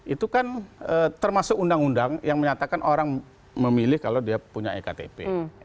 itu kan termasuk undang undang yang menyatakan orang memilih kalau dia punya ektp